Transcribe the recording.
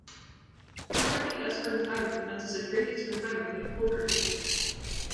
Coolgardie-Esperance Highway commences at Great Eastern Highway at Coolgardie.